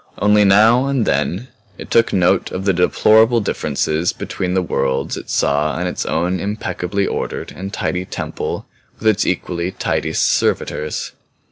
Only now and then it took note of the deplorable differences between the worlds it saw and its own impeccably ordered and tidy temple with its equally tidy servitors.